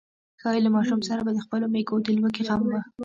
ښايي له ماشوم سره به د خپلو مېږو د لوږې غم و.